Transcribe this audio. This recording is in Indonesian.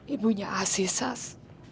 ibunya asis sas